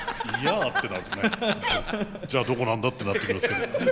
じゃあどこなんだってなってきますけど。